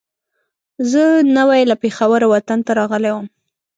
زه نوی له پېښوره وطن ته راغلی وم.